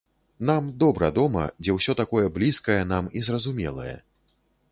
Нам добра дома, дзе ўсё такое блізкае нам і зразумелае.